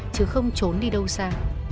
chứ không trốn đi đâu xa